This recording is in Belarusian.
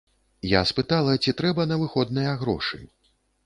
Я спытала, ці трэба на выходныя грошы?